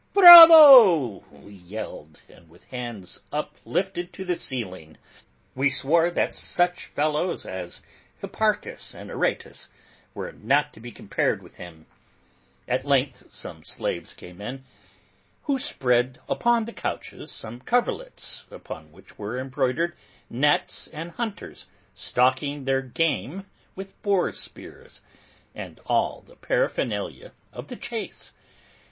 "Bravo!" we yelled, and, with hands uplifted to the ceiling, we swore that such fellows as Hipparchus and Aratus were not to be compared with him. At length some slaves came in who spread upon the couches some coverlets upon which were embroidered nets and hunters stalking their game with boar spears, and all the paraphernalia of the chase.